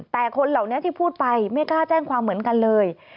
แต่คนเหล่านี้ที่พูดไปไม่กล้าแจ้งความเหมือนกันเลย